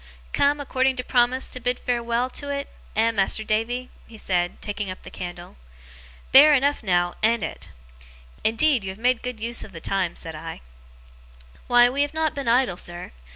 'Come, according to promise, to bid farewell to 't, eh, Mas'r Davy?' he said, taking up the candle. 'Bare enough, now, an't it?' 'Indeed you have made good use of the time,' said I. 'Why, we have not been idle, sir.